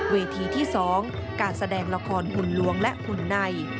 เวทีที่๒การแสดงละครบุญลวงและบุญใน